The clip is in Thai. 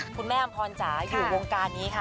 คุณแม่อำพรณ์จ้ะอยู่วงการนี้ค่ะ